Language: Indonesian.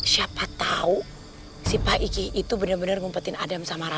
siapa tau si pak ikih itu bener bener ngumpetin adam sama rafa